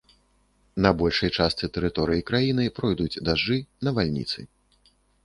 На большай частцы тэрыторыі краіны пройдуць дажджы, навальніцы.